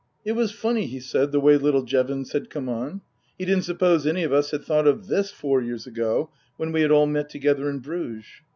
It was funny, he said, the way little Jevons had come on. He didn't suppose any of us had thought of this four years ago when we had all met together in Bruges.